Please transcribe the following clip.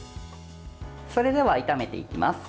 それでは、炒めていきます。